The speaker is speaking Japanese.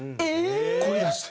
声出して？